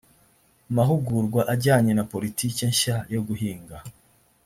mahugurwa ajyanye na politiki nshya yo guhinga